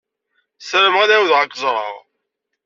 Sarameɣ ad ɛiwdeɣ ad k-ẓṛeɣ.